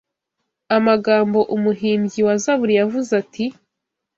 Amagambo umuhimbyi wa Zaburi yavuze ati